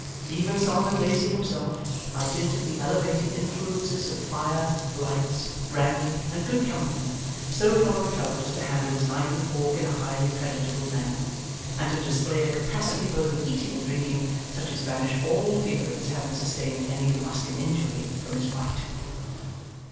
Even Solomon Daisy himself, by dint of the elevating influences of fire, lights, brandy, and good company, so far recovered as to handle his knife and fork in a highly creditable manner, and to display a capacity both of eating and drinking, such as banished all fear of his having sustained any lasting injury from his fright.